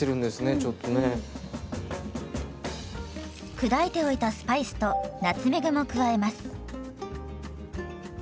砕いておいたスパイスとナツメグも加えます。